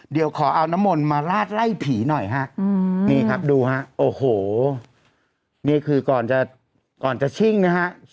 เดี๋ยวขอเอาน้ำมนต์มาลาดไล่ผีหน่อยฮะนี่ครับดูฮะโอ้โหนี่คือก่อนจะชิ่งนะฮะ